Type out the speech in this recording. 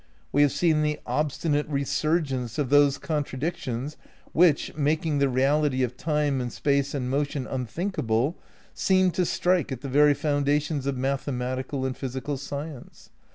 We have seen the ob stinate resurgence of those contradictions which, mak ing the reality of time and space and motion unthink able, seemed to strike at the very foundations of mathe matical and physical science.